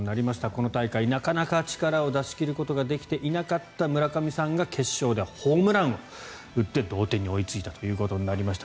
この大会なかなか力を出し切ることができていなかった村上さんが決勝ではホームランを打って同点に追いついたということになりました。